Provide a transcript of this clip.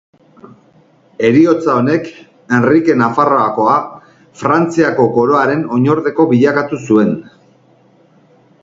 Heriotza honek Henrike Nafarroakoa Frantziako koroaren oinordeko bilakatu zuen.